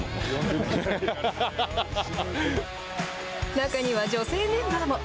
中には女性メンバーも。